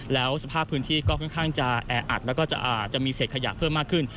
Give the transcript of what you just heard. แล้วสภาพพื้นที่ก็ค่อนข้างจะแออัดแล้วก็อาจจะมีเศษขยะเพิ่มมากขึ้น